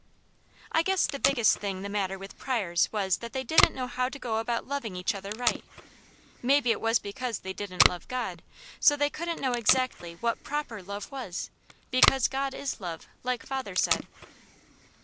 I guess the biggest thing the matter with Pryors was that they didn't know how to go about loving each other right; maybe it was because they didn't love God, so they couldn't know exactly what PROPER LOVE was; because God is love, like father said.